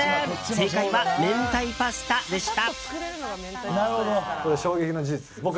正解は明太パスタでした。